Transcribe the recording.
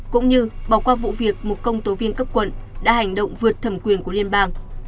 cũng như bỏ qua vụ việc một công tố viên cấp quận đã hành động vượt thẩm quyền của liên bang